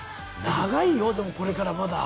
長いよでもこれからまだ。